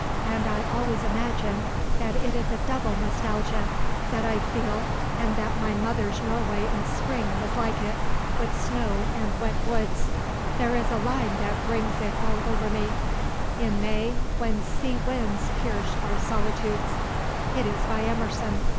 And I always imagine that it is a doubled nostalgia that I feel and that my mother's Norway in Spring was like it, with snow and wet woods. There is a line that brings it all over me: 'In May, when sea winds pierced our solitudes.' It is by Emerson.